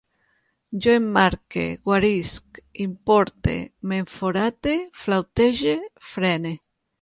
Jo emmarque, guarisc, importe, m'enforate, flautege, frene